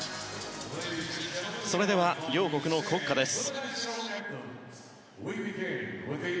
それでは両国の国歌です。